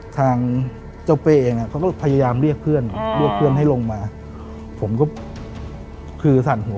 ทางเจ้าเป้เองเขาก็พยายามเรียกเพื่อนเรียกเพื่อนให้ลงมาผมก็คือสั่นหัว